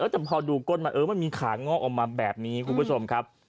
แต่พอดูก้นมันมีขาง้ออมมาแบบนี้คุณผู้สมครับ